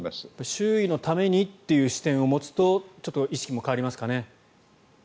周囲のためにという視点を持つとちょっと意識も変わりますかね。